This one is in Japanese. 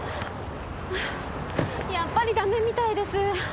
やっぱりダメみたいです。